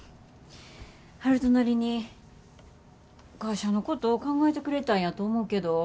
悠人なりに会社のこと考えてくれたんやと思うけど。